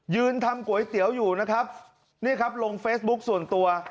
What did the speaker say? ทำก๋วยเตี๋ยวอยู่นะครับนี่ครับลงเฟซบุ๊คส่วนตัว